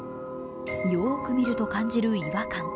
よーく見ると感じる違和感。